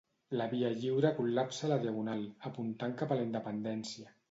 La Via Lliure col·lapsa la Diagonal, apuntant cap a la independència.